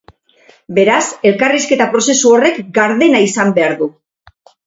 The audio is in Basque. Beraz, elkarrizketa prozesu horrek gardena izan behar du.